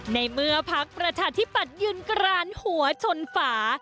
ในเมื่อพักประชาธิปัตยืนกรานหัวชนฝา